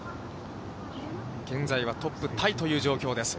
現在はトップタイという状況です。